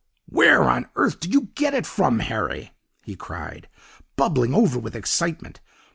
'Where on earth did you get it from, Harry?' he cried, bubbling over with excitement.